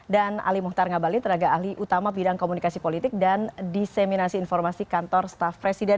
dan ali muhtar ngabalin tenaga ahli utama bidang komunikasi politik dan diseminasi informasi kantor staff presiden